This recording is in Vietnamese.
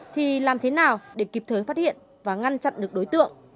thì làm thế nào để kịp thời phát hiện và ngăn chặn được đối tượng